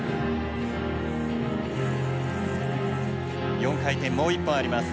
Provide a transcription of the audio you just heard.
４回転もう一本あります。